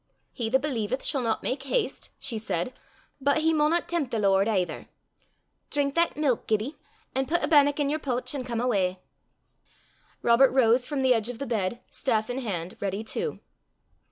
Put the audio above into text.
"He that believeth shall not make haste," she said, "but he maunna tempt the Lord, aither. Drink that milk, Gibbie, an' pit a bannock i' yer pooch, an' come awa." Robert rose from the edge of the bed, staff in hand, ready too.